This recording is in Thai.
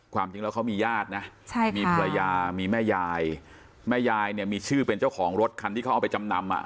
ความจริงแล้วเขามีญาตินะมีภรรยามีแม่ยายแม่ยายเนี่ยมีชื่อเป็นเจ้าของรถคันที่เขาเอาไปจำนำอ่ะ